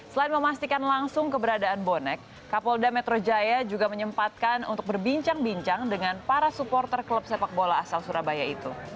selain memastikan langsung keberadaan bonek kapolda metro jaya juga menyempatkan untuk berbincang bincang dengan para supporter klub sepak bola asal surabaya itu